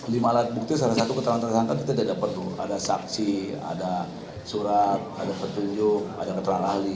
lima alat bukti salah satu keterangan tersangka kita tidak perlu ada saksi ada surat ada petunjuk ada keterangan ahli